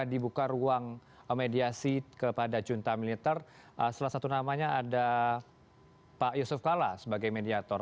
dibuka ruang mediasi kepada junta militer salah satu namanya ada pak yusuf kala sebagai mediator